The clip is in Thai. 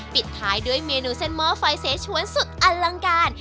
ปิดท้ายด้วยเมนูเส้นหม้อไฟเสชวนสุดอลังการ